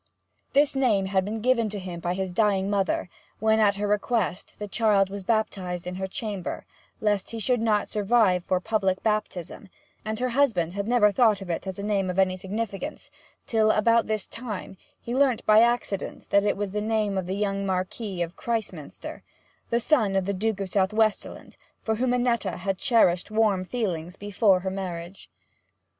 This name had been given him by his dying mother when, at her request, the child was baptized in her chamber, lest he should not survive for public baptism; and her husband had never thought of it as a name of any significance till, about this time, he learnt by accident that it was the name of the young Marquis of Christminster, son of the Duke of Southwesterland, for whom Annetta had cherished warm feelings before her marriage.